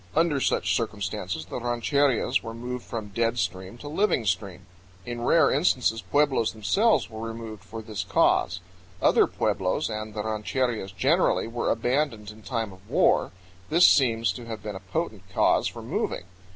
Under such circumstances the rancherias were moved from dead stream to living stream. In rare instances pueblos themselves were removed for this cause. Other pueblos, and the rancherias generally, were abandoned in time of war; this seems to have been a potent cause for moving.